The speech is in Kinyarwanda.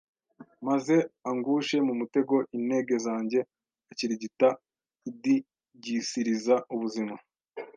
maze angushe mu mutego Intege zange akirigita indigisiriza ubuzima